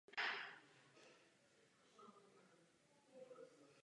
Věřím, že napříště budeme více citliví.